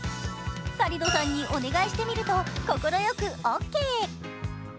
サリドさんにお願いしてみると快くオーケー。